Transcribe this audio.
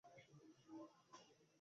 তাকে ধরো, উইল।